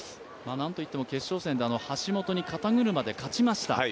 なんといっても決勝戦であの橋本に肩車で勝ちました。